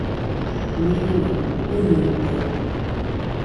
Mirɨño ɨnɨite?